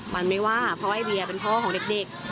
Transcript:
มันไม่ว่าเพราะไอเวียเป็นพ่อของเด็ก